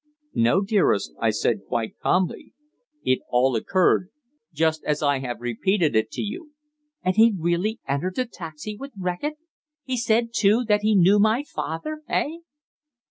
"No, dearest," I said quite calmly. "It all occurred just as I have repeated it to you." "And he really entered the taxi with Reckitt? He said, too, that he knew my father eh?"